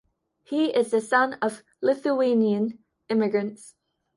He is the son of Lithuanian immigrants.